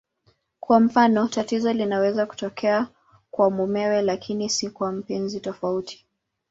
Kwa mfano, tatizo linaweza kutokea kwa mumewe lakini si kwa mpenzi tofauti.